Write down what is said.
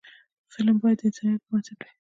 فلم باید د انسانیت پر بنسټ وي